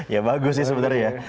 ya bagus sih sebenernya